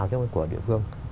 chứ không phải của địa phương